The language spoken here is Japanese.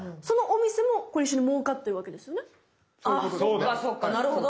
あそうかそうかなるほど。